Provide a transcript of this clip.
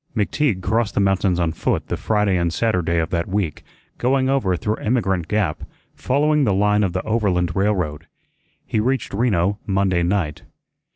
McTeague crossed the mountains on foot the Friday and Saturday of that week, going over through Emigrant Gap, following the line of the Overland railroad. He reached Reno Monday night.